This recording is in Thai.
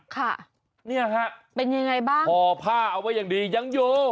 ค่ะเป็นยังไงบ้างนี่ฮะห่อผ้าเอาไว้อย่างดียังอยู่